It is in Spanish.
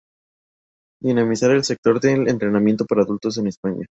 Dinamizar el sector del entretenimiento para adultos en España.